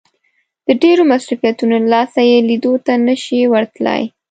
د ډېرو مصروفيتونو له لاسه يې ليدو ته نه شي ورتلای.